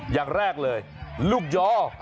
อย่างแรกเลยลูกยอ